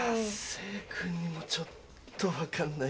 誠君にもちょっと分かんないな。